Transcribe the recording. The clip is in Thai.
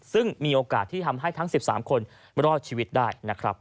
ซึ่งมีโอกาสที่ทำให้ทั้ง๑๓คนรอดชีวิตได้นะครับ